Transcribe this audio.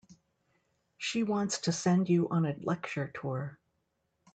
She wants to send you on a lecture tour.